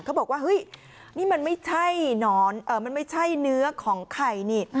เขาบอกว่านี่มันไม่ใช่เนื้อของไข่นี่